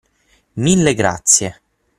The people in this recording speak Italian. Mille grazie!